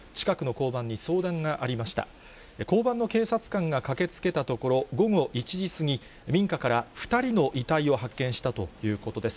交番の警察官が駆けつけたところ、午後１時過ぎ、民家から２人の遺体を発見したということです。